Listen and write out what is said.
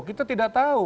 kita tidak tahu